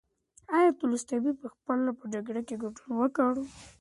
ایا تولستوی پخپله په جګړو کې ګډون کړی و؟